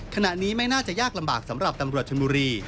ขณะนี้ไม่น่าจะยากลำบากสำหรับตำรวจชนบุรี